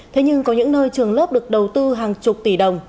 thế nhưng có những nơi trường lớp được đầu tư hàng chục tỷ đồng